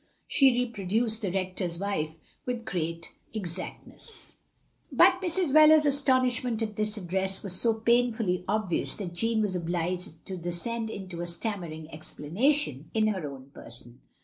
She reproduced the Rector's wife with great exactness. f 98 THE LONELY LADY But Mrs. Wheler's astonishment at this address was so painftally obvious that Jeanne was obliged to descend into a stammering explanation, in her own person.